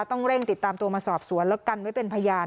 ต้องเร่งติดตามตัวมาสอบสวนแล้วกันไว้เป็นพยาน